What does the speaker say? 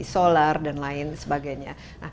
solar dan lain sebagainya